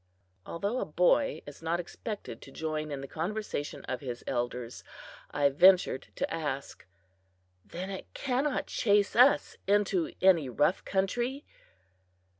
Although a boy is not expected to join in the conversation of his elders, I ventured to ask: "Then it cannot chase us into any rough country?"